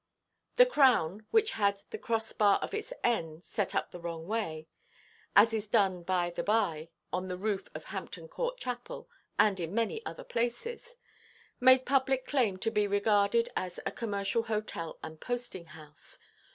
The Crown, which had the cross–bar of its N set up the wrong way (as is done, by–the–by, on the roof of Hampton Court chapel, and in many other places), made public claim to be regarded as a "commercial hotel and posting–house."